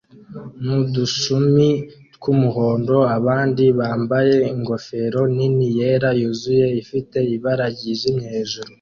nudushumi twumuhondo abandi bambaye ingofero nini yera yuzuye ifite ibara ryijimye hejuru.